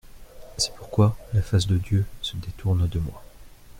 C'est pourquoi la face de Dieu se détourne de moi.